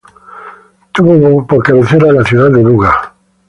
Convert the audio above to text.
Tuvo por cabecera a la ciudad de Buga.